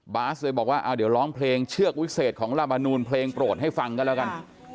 บาสเลยบอกว่าเดี๋ยวร้องเพลงเชือกวิเศษของลามนูลเพลงโปรดให้ฟังกันแล้วกัน